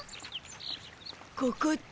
ここって？